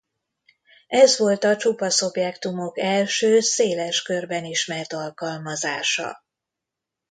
Ez volt a csupasz objektumok első széles körben ismert alkalmazása.